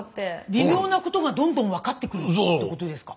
微妙なことがどんどん分かってくるってことですか。